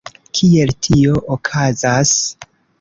Kiel tio okazas?